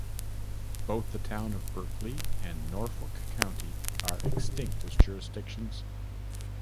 Both the Town of Berkley and Norfolk County are extinct as jurisdictions.